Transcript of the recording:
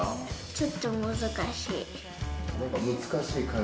ちょっと難しい。